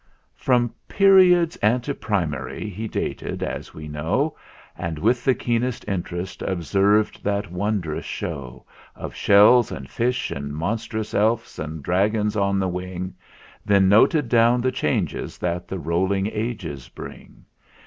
IV. From periods ante Primary he dated, as we know, And with the keenest interest observed that won drous show Of shells and fish and monstrous efts and dragons on the wing; Then noted down the changes that the rolling ages bring.